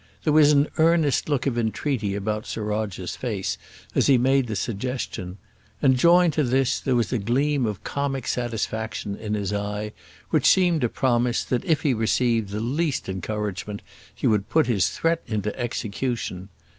There was an earnest look of entreaty about Sir Roger's face as he made the suggestion; and, joined to this, there was a gleam of comic satisfaction in his eye which seemed to promise, that if he received the least encouragement he would put his threat into execution.